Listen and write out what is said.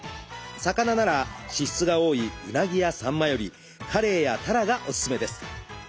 魚なら脂質が多いウナギやサンマよりカレイやタラがおすすめです。